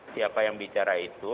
siapa yang bicara itu